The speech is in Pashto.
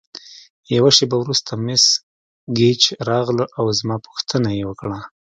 یوه شیبه وروسته مس ګیج راغله او زما پوښتنه یې وکړه.